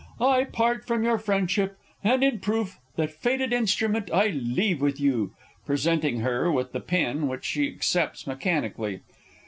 I part from you in friendship, and in proof, That fated instrument I leave with you [_Presenting her with the pin, which she accepts mechanically.